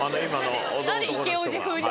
何でイケおじ風に。